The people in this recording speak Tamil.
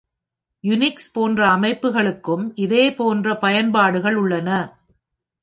யூனிக்ஸ் போன்ற அமைப்புகளுக்கும் இதே போன்ற பயன்பாடுகள் உள்ளன.